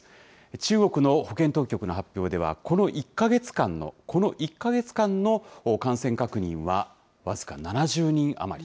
中国の保健当局の発表では、この１か月間の感染確認は僅か７０人余り。